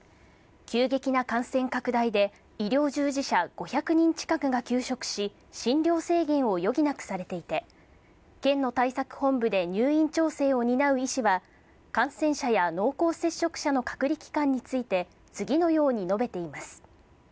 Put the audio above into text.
急激な感染拡大で、医療従事者５００人近くが休職し、診療制限を余儀なくされていて、県の対策本部で入院調整を担う医師は、感染者や濃厚接触者の隔離期間について、次のように述べています。